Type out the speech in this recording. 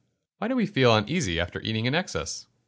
_Why do we feel uneasy after eating to excess?